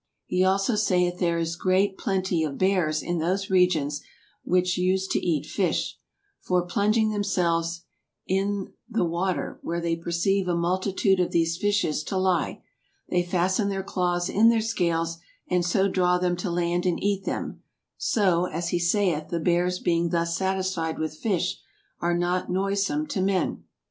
He also saieth there is great plentie of Beares in those regions which use to eate fish : for plunging themselves in ye water, where they perceiue a multitude of these fishes to lie, they fasten their clawes in their scales, and so draw them to land and eate them, so (as he saith) the Beares being thus satisfied with fish, are not noisome to men.